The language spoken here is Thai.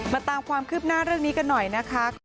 ตามความคืบหน้าเรื่องนี้กันหน่อยนะคะ